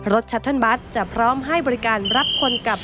ชัตเทิร์นบัตรจะพร้อมให้บริการรับคนกลับ